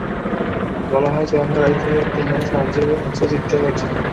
বলা হয়, চলন্ত গাড়ি থেকে একটি মেয়ে সাহায্য চেয়ে চিৎকার করছেন।